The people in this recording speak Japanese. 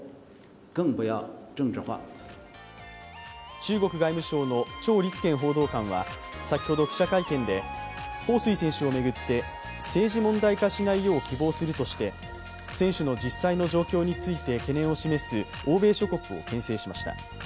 中国外務省の趙立堅報道官は先ほど記者会見で彭帥選手を巡って政治問題化しないよう希望するとして、選手の実際の状況について懸念を示す欧米諸国をけん制しました。